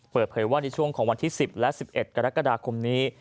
เปิดเผยว่าในช่วงของวันที่๑๐และ๑๑กรกฎาคมนี้